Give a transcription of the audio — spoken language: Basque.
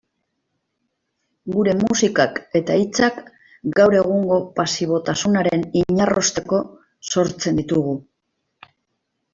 Gure musikak eta hitzak gaur egungo pasibotasunaren inarrosteko sortzen ditugu.